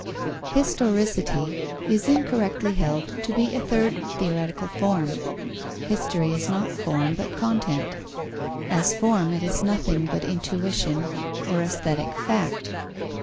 _ Historicity is incorrectly held to be a third theoretical form. History is not form, but content: as form, it is nothing but intuition or aesthetic fact.